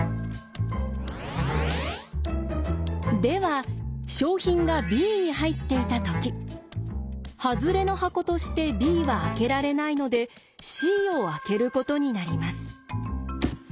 では賞品がＢに入っていたときハズレの箱としてＢは開けられないのでＣを開けることになります。